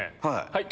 はい。